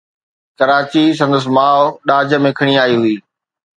ڪراچي سندس ماءُ ڏاج ۾ کڻي آئي هئي.